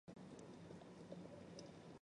则包括十八门和十二门。